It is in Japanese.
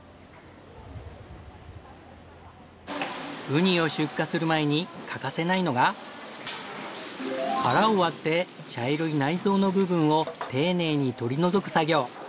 ウニを出荷する前に欠かせないのが殻を割って茶色い内臓の部分を丁寧に取り除く作業。